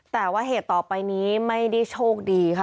แต่ว่าเหตุต่อไปนี้ไม่ได้โชคดีค่ะ